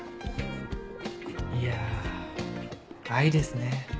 いやぁ愛ですね。